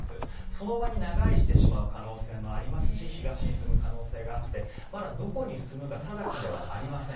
その場に長居してしまう可能性もありますし東に進む可能性があってまだ、どこに進むか定かではありません。